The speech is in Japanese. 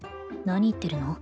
何言ってるの？